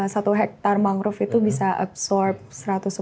satu hektar mangrove itu bisa absorb satu ratus sepuluh kg polusi